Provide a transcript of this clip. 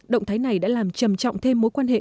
động thái này đã làm trầm trọng thêm mối quan hệ